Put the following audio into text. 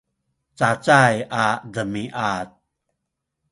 cacay a demiad